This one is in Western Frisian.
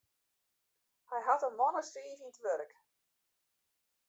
Hy hat in man as fiif yn it wurk.